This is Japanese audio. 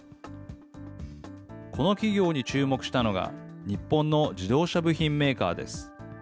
この企業に注目したのが、日本の自動車部品メーカーです。